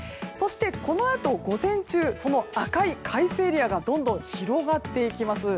このあと午前中その赤い快晴エリアがどんどん広がっていきます。